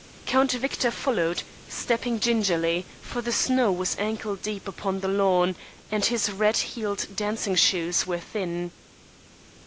Count Victor followed, stepping gingerly, for the snow was ankle deep upon the lawn, and his red heeled dancing shoes were thin.